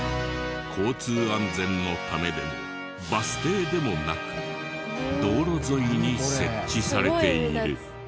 交通安全のためでもバス停でもなく道路沿いに設置されている。